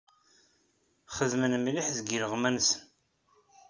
Xedmen mliḥ deg yiluɣma-nsen.